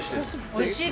おいしい。